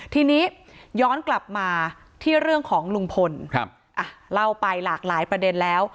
ทีนี้ย้อนกลับมาที่เรื่องของลุงพลเล่าไปหลากหลายประเด็นแล้ว